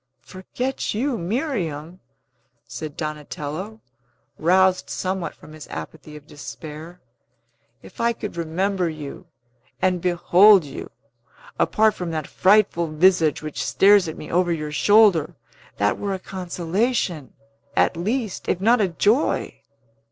"Forget you, Miriam!" said Donatello, roused somewhat from his apathy of despair. "If I could remember you, and behold you, apart from that frightful visage which stares at me over your shoulder, that were a consolation, at least, if not a joy."